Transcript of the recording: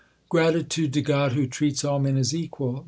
Gratitude to God who treats all men as equal.